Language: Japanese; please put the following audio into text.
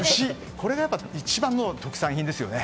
これが一番の特産品ですよね。